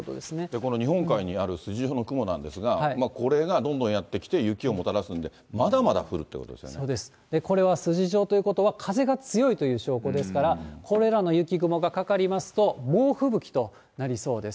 この日本海にある筋状の雲なんですが、これがどんどんやって来て雪をもたらすんで、そうです、これは筋状ということは、風が強いという証拠ですから、これらの雪雲がかかりますと、猛吹雪となりそうです。